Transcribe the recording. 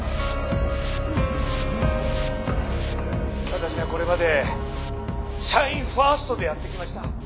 私はこれまで社員ファーストでやってきました。